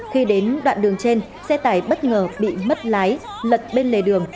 khi đến đoạn đường trên xe tải bất ngờ bị mất lái lật bên lề đường